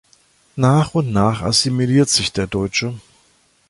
Nach und nach assimiliert sich der Deutsche.